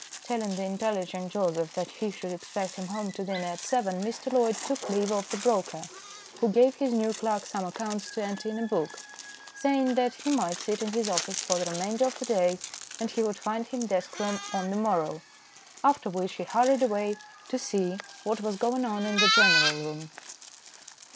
Telling the intelligent Joseph that he should expect him home to dinner at seven, Mr. Loyd took leave of the broker, who gave his new clerk some accounts to enter in a book, saying that he might sit in his office for the remainder of that day and he would find him desk room on the morrow, after which he hurried away to see what was going on in the general room.